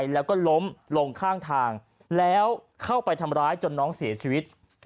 แล้วเข้าไปทำร้ายจนน้องเสียชีวิต